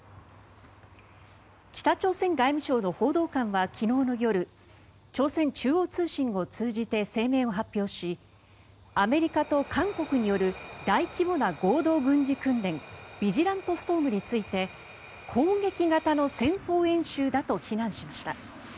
北朝鮮外務省の報道官は昨日の夜朝鮮中央通信を通じて声明を発表しアメリカと韓国による大規模な合同軍事訓練ビジラントストームについて攻撃型の戦争演習だと非難しました。